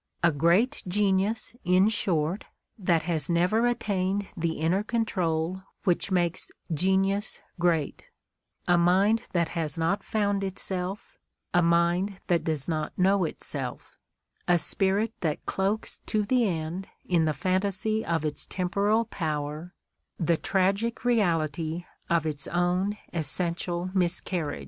A great genius, in short, that has never attained the inner control which makes genius great, a mind that has not found itself, a mind that does not know itself, a spirit that cloaks to the end in the fantasy of its temporal power the tragic reality of its own essential miscarriage